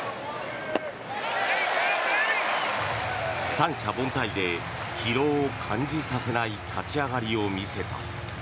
三者凡退で疲労を感じさせない立ち上がりを見せた。